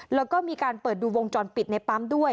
แล้วก็มีการเปิดดูวงจรปิดในปั๊มด้วย